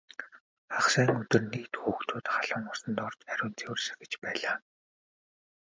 Хагас сайн өдөр нийт хүүхдүүд халуун усанд орж ариун цэвэр сахиж байлаа.